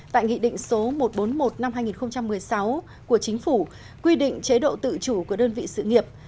tại nghị định số một trăm bốn mươi một năm hai nghìn một mươi sáu của chính phủ quy định chế độ tự chủ của đơn vị sự nghiệp